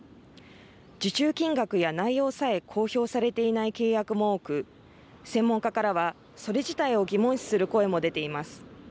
受注金額や内容さえ公表されていない契約も多く専門家からは、それ自体を疑問視する声も出ています。